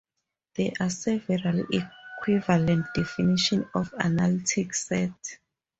There are several equivalent definitions of analytic set.